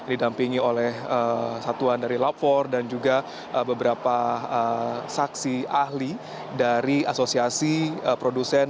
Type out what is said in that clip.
didampingi oleh satuan dari lapor dan juga beberapa saksi ahli dari asosiasi produsen